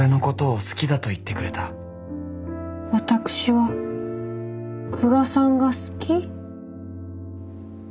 私は久我さんが好き。